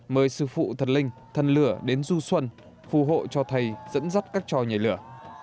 mời sư phụ thần linh thần lửa đến du xuân phù hộ cho thầy dẫn dắt các trò nhảy lửa